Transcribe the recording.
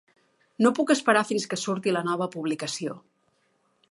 No puc esperar fins que surti la nova publicació.